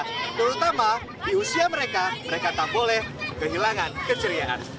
terutama di usia mereka mereka tak boleh kehilangan keceriaan